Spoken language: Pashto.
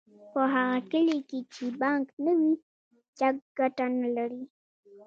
په هغه کلي کې چې بانک نه وي چک ګټه نلري